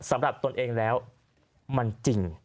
สำหรับตัวเองแล้วมันจริง